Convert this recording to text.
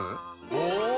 お！